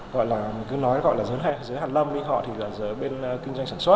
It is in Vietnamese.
gọi là mình cứ nói gọi là giới hàn lâm đi họ thì là giới bên kinh doanh sản xuất